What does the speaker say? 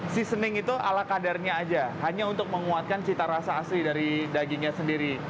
seasoning itu ala kadarnya aja hanya untuk menguatkan cita rasa asli dari dagingnya sendiri